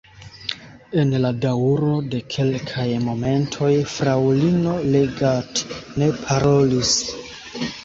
En la daŭro de kelkaj momentoj fraŭlino Leggat ne parolis.